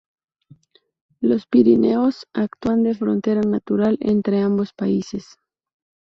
Los Pirineos actúan de frontera natural entre ambos países.